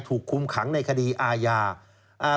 ถูกคุมขังในคดีอาญา